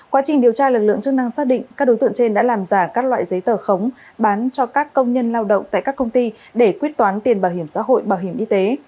quá trình điều tra lực lượng chức năng xác định các đối tượng trên đã làm giả các loại giấy tờ khống bán cho các công nhân lao động tại các công ty để quyết toán tiền bảo hiểm xã hội bảo hiểm y tế